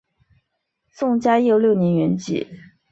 宋嘉佑六年圆寂。